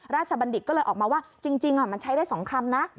บัณฑิตก็เลยออกมาว่าจริงมันใช้ได้๒คำนะ